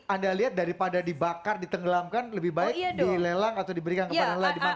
anda lihat daripada dibakar ditenggelamkan lebih baik dilelang atau diberikan ke nelayan dimanfaatkan